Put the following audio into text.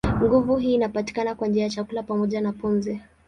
Nguvu hii inapatikana kwa njia ya chakula pamoja na pumzi.